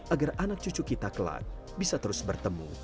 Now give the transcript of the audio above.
agar anak cucu kita kelak bisa terus bertemu